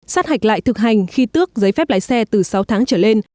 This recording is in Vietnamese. sát hạch lại thực hành khi tước giấy phép lái xe từ sáu tháng trở lên